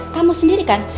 kamu sendiri kan